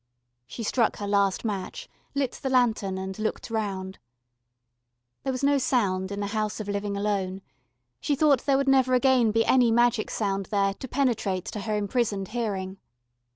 She struck her last match, lit the lantern, and looked round. There was no sound in the house of Living Alone, she thought there would never again be any magic sound there to penetrate to her imprisoned hearing.